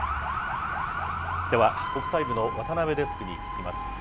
では、国際部の渡辺デスクに聞きます。